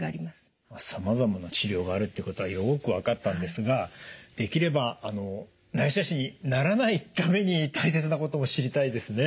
さまざまな治療があるっていうことはよく分かったんですができれば内斜視にならないために大切なことも知りたいですね。